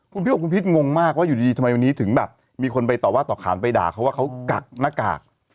คุณพี่บอกคุณพิษงงมากว่าอยู่ดีทำไมวันนี้ถึงแบบมีคนไปต่อว่าต่อขานไปด่าเขาว่าเขากักหน้ากาก